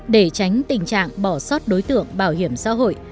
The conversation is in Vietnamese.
để tránh tình trạng bỏ sót đối tượng bảo hiểm xã hội